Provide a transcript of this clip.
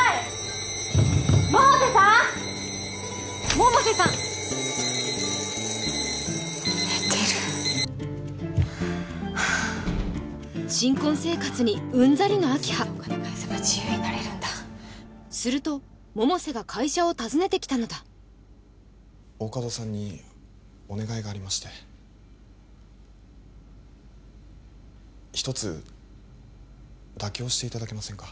百瀬さん寝てる新婚生活にうんざりの明葉全てお金返せば自由になれるんだすると百瀬が会社を訪ねてきたのだ大加戸さんにお願いがありまして一つ妥協していただけませんか？